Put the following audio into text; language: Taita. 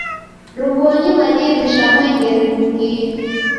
Rughuonyi madirisha mwengere ghungie.